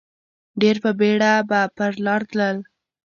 ډېر په بېړه به پر لار تلل.